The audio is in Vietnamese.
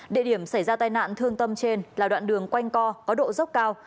địa điểm xảy ra tai nạn thương tâm trên là đoạn đường quanh co có độ dốc cao